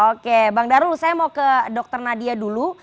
oke bang darul saya mau ke dr nadia dulu